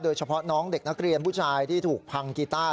โดยเฉพาะน้องเด็กนักเรียนผู้ชายที่ถูกพังกีต้า